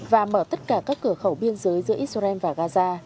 và mở tất cả các cửa khẩu biên giới giữa israel và gaza